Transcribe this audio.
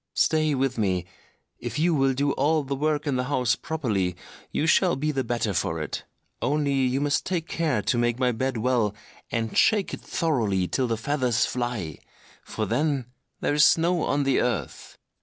Stay with me; if you will do all the work in the house properly, you shall be the better for it. Only you must take care to make my bed well, and shake it thoroughly till the feathers fly—for then there is snow on the earth.